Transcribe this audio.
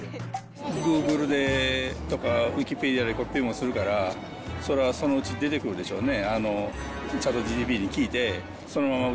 グーグルでとか、ウィキペディアでとかするから、それはそのうち出てくるでしょうね。